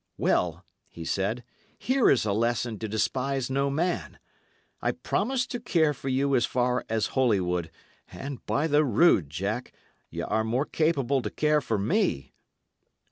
"Well," he said, "here is a lesson to despise no man. I promised to care for you as far as Holywood, and, by the rood, Jack, y' are more capable to care for me."